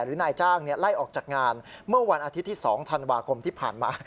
นายจ้างไล่ออกจากงานเมื่อวันอาทิตย์ที่๒ธันวาคมที่ผ่านมา